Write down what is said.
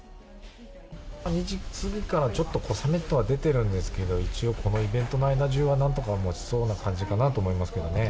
１４時過ぎからちょっと小雨と出ているんですがこのイベント中はなんとか持ちそうな感じかなと思いますけどね。